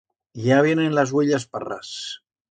Ya vienen las uellas parras.